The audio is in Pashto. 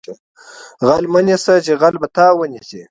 غل مه نیسه چې غل به تا ونیسي